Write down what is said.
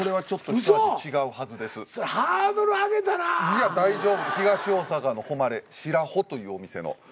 いや大丈夫東大阪の誉れ白穂というお店の。